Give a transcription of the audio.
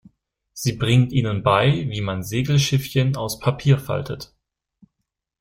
Sie bringt ihnen bei, wie man Segelschiffchen aus Papier faltet.